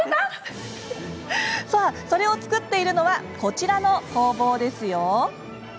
さあ、それを作っているのはこちらの工房ですよ。